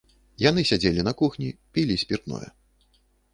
Яны сядзелі на кухні, пілі спіртное.